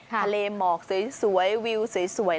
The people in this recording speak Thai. ทะเลหมอกสวยวิวสวย